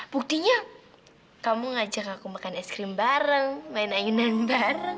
buktinya kamu ngajak aku makan es krim bareng main ainan bareng